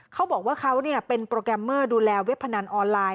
เขาบอกว่าเขาเป็นโปรแกรมเมอร์ดูแลเว็บพนันออนไลน